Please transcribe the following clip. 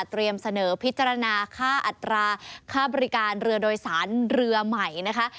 เสนอพิจารณาค่าอัตราค่าบริการเรือโดยสารเรือใหม่นะคะ